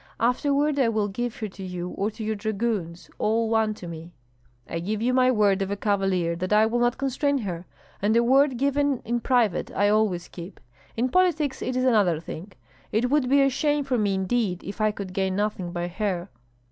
Afterward I will give her to you or to your dragoons, all one to me!" "I give my word of a cavalier that I will not constrain her; and a word given in private I always keep. In politics it is another thing. It would be a shame for me indeed if I could gain nothing by her."